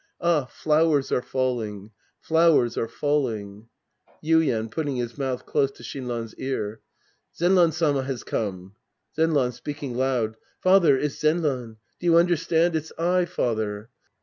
Ah, flowers are falling. Flowers are falling. Yuien inputting his mouth close to Shinran's ear). Zenran Sama has come. Zenran {speaking loud). Father. It's T^nran. Do you understand ? It's I. Father.